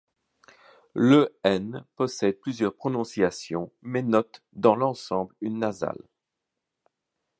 Le ん possède plusieurs prononciations, mais note dans l'ensemble une nasale.